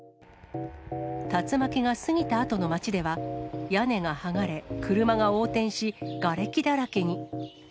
竜巻が過ぎたあとの町では、屋根が剥がれ、車が横転し、がれきだらけに。